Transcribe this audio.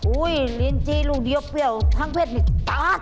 อุ๊ยลินจี้ลูกเดี้ยวเปรี้ยวพังผิดเนี่ยตาสมาก